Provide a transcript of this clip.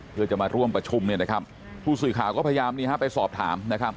เพื่อจะมาร่วมประชุมผู้สื่อข่าวก็พยายามไปสอบถาม